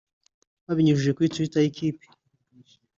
Babinyujiji kuri Twitter y’ikipe